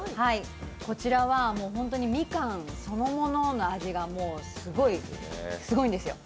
こちらはホントにみかんそのものの味がすごいんですよ。